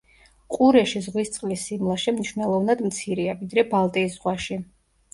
ყურეში ზღვის წყლის სიმლაშე მნიშვნელოვნად მცირეა, ვიდრე ბალტიის ზღვაში.